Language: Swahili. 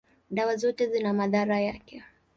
dawa zote zina madhara yake.